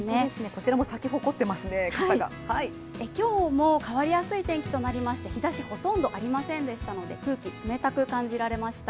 こちらも咲き誇ってますね、傘が今日も変わりやすい天気となりまして、日ざし、ほとんどありませんでしたので空気、冷たく感じられました。